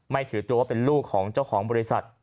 ถือตัวว่าเป็นลูกของเจ้าของบริษัท